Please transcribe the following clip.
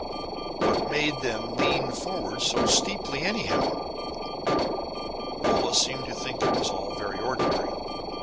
What made them lean forward so steeply anyhow? Rolla seemed to think it all very ordinary.